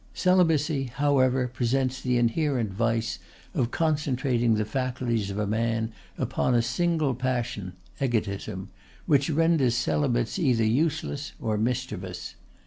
Celibacy, however, presents the inherent vice of concentrating the faculties of man upon a single passion, egotism, which renders celibates either useless or mischievous.